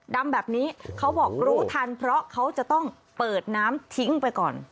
ดำแบบนี้เขาบอกรู้ทันเพราะเขาจะต้องเปิดน้ำทิ้งไปก่อน